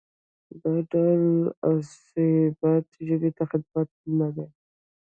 دا ډول عصبیت ژبې ته خدمت نه دی.